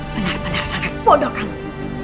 benar benar sangat bodoh kami